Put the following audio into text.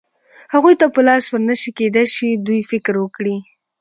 هغوی ته په لاس ور نه شي، کېدای شي دوی فکر وکړي.